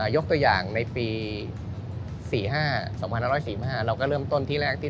ยกตัวอย่างในปี